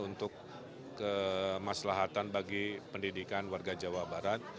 untuk kemaslahatan bagi pendidikan warga jawa barat